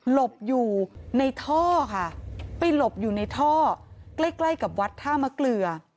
ลบอยู่ในท่อค่ะไปหลบอยู่ในท่อใกล้ใกล้กับวัดท่ามะเกลือ